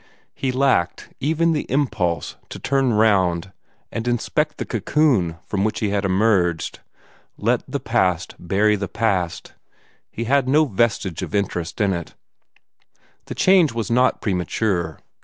He lacked even the impulse to turn round and inspect the cocoon from which he had emerged. Let the past bury the past. He had no vestige of interest in it. The change was not premature.